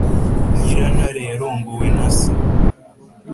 nyirantare yarongowe na se